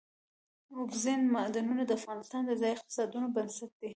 اوبزین معدنونه د افغانستان د ځایي اقتصادونو بنسټ دی.